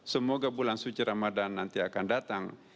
semoga bulan suci ramadan nanti akan datang